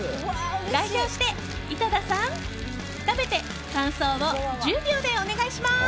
代表して井戸田さん、食べて感想を１０秒でお願いします。